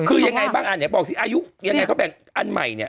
คือยังไงบ้างอันเนี่ยบอกสิอายุยังไง